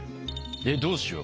えっどうしよう。